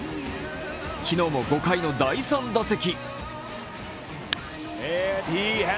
昨日も５回の第３打席。